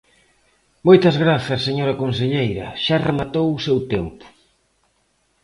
Moitas grazas, señora conselleira, xa rematou o seu tempo.